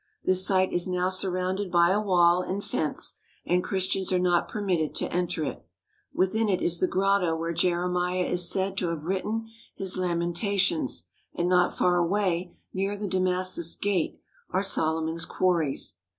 This site is now surrounded by a wall and fence, and Christians are not permitted to enter it. Within it is the grotto where Jeremiah is 46 AROUND THE WALLS OF THE HOLY CITY said to have written his Lamentations, and not far away, near the Damascus Gate, are Solomon's quarries.